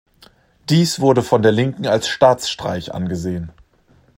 Dies wurde von der Linken als Staatsstreich angesehen.